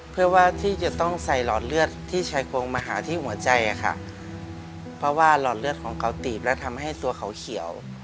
เพื่อว่าที่จะต้องใส่หลอดเลือดที่ชายโครงมาหาที่หัวใจอะค่ะเพราะว่าหลอดเลือดของเขาตีบแล้วทำให้ตัวเขาเขียว